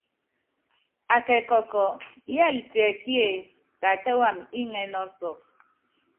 Akɛkɔkɔ, yɛ́litiɛkíe, tatɛ́ wam, iŋɛ́nɛ́ ɔsɔkɔ.